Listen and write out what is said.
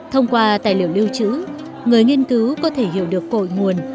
thông qua tài liệu lưu trữ người nghiên cứu có thể hiểu được cội nguồn